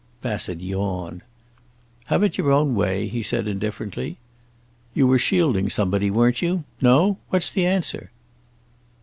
Bassett yawned. "Have it your own way," he said indifferently. "You were shielding somebody, weren't you? No? What's the answer?"